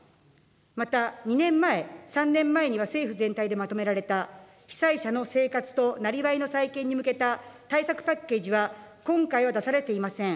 また、２年前、３年前には政府全体でまとめられた被災者の生活と生業の再建に向けた対策パッケージは今回は出されていません。